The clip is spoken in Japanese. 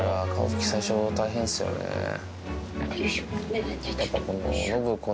よいしょ。